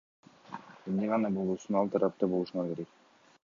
Эмне гана болбосун ал тарапта болушуңар керек.